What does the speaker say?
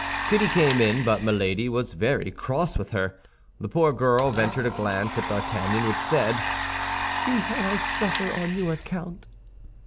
Kitty came in, but Milady was very cross with her. The poor girl ventured a glance at D'Artagnan which said, "See how I suffer on your account!"